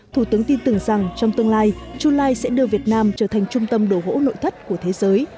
thủ tướng tin tưởng rằng trong tương lai chulai sẽ đưa việt nam trở thành trung tâm đổ hỗ nội thất của thế giới